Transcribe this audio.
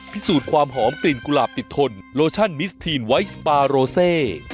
พิสูจน์ความหอมกลิ่นกุหลาบติดทนโลชั่นมิสทีนไวท์สปาโรเซ